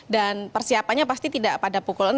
dan persiapannya pasti tidak pada pukul enam